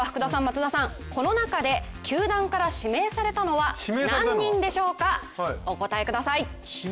この中で球団から指名されたのは何人でしょうか、お答えください。